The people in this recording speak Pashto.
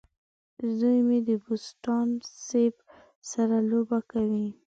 زوی مې د بوسټان سیب سره لوبه کوي.